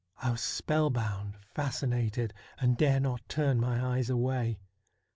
I was spell bound, fascinated, and dare not turn my eyes away.